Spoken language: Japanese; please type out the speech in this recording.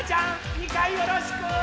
２かいよろしく！